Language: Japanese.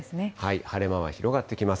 晴れ間は広がってきます。